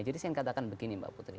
jadi saya ingin katakan begini mbak putri